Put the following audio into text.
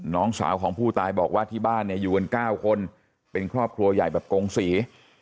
น้องสาวของผู้ตายบอกว่าที่บ้านเนี่ยอยู่กัน๙คนเป็นครอบครัวใหญ่แบบกงศรี